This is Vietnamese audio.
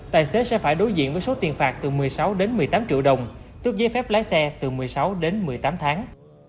tài xế sẽ phải đối diện với số tiền phạt từ một mươi sáu đến một mươi tám triệu đồng tước giấy phép lái xe từ một mươi sáu đến một mươi tám tháng